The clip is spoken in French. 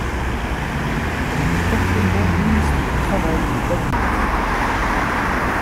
Elle est actuellement ministre du Travail de Bavière.